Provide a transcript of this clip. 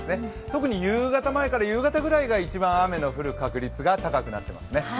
特に夕方前から夕方くらいが一番雨の降る確率が高くなっていますね。